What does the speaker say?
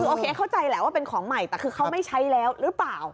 คือโอเคเข้าใจแหละว่าเป็นของใหม่แต่คือเขาไม่ใช้แล้วหรือเปล่า